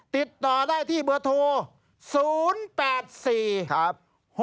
ติดต่อได้ที่เบอร์โทร๐๘๔ครับ